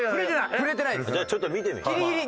じゃあちょっと見てみよう。